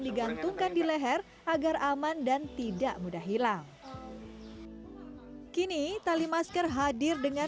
digantungkan di leher agar aman dan tidak mudah hilang kini tali masker hadir dengan